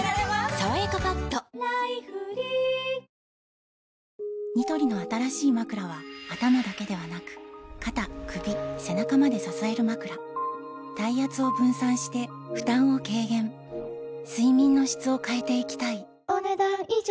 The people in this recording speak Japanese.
「さわやかパッド」ニトリの新しいまくらは頭だけではなく肩・首・背中まで支えるまくら体圧を分散して負担を軽減睡眠の質を変えていきたいお、ねだん以上。